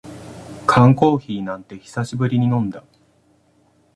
缶コーヒーなんて久しぶりに飲んだ